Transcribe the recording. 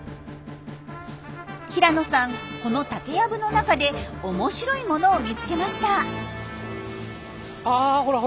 平野さんこの竹やぶの中で面白いものを見つけました。